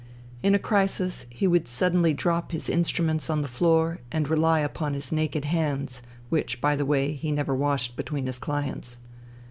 In a crisis he would suddenly drop his instruments on the floor and rely upon his naked hands, which by the way, he never washed between his clients.